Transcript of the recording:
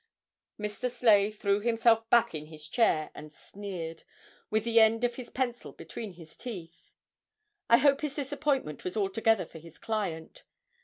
Mr. Sleigh threw himself back in his chair, and sneered, with the end of his pencil between his teeth. I hope his disappointment was altogether for his client.